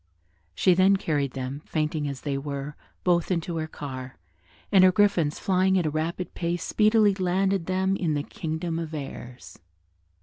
She then carried them, fainting as they were, both into her car, and her griffins flying at a rapid pace speedily landed them in the Kingdom of Errors.